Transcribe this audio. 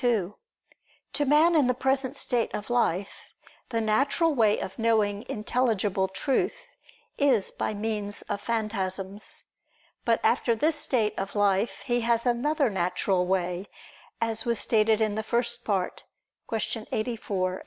2: To man in the present state of life the natural way of knowing intelligible truth is by means of phantasms. But after this state of life, he has another natural way, as was stated in the First Part (Q. 84, A.